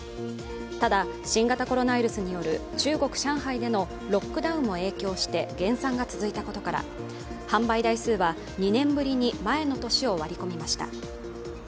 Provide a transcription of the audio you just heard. ただ、新型コロナウイルスによる中国上海でのロックダウンも影響で減産が続いたことから販売台数は２年ぶりに前の年を割り込みました。